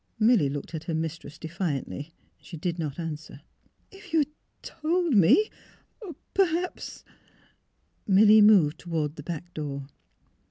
" Milly looked at her mistress defiantly. She did not answer. " If you had told me, perhaps " Milly moved toward the kitchen door.